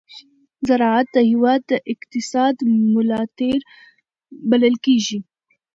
زراعت د هېواد د اقتصاد ملا تېر بلل کېږي.